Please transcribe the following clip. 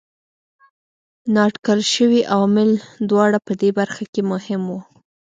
نااټکل شوي عوامل دواړه په دې برخه کې مهم وو.